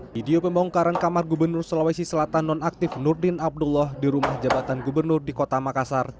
video pembongkaran kamar gubernur sulawesi selatan nonaktif nurdin abdullah di rumah jabatan gubernur di kota makassar